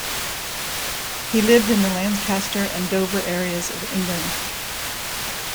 He lived in the Lancaster and Dover areas of England.